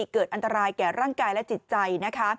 เกิดอันตรายแก่ร่างกายและจิตใจนะคะ